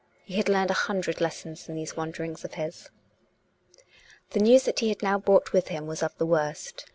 He had learned a hundred lessons in these wanderings of his. The news that he had now brought with him was of the worst.